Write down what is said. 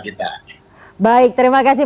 kita baik terima kasih